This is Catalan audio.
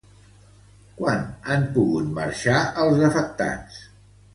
Quan han pogut marxar els afectats?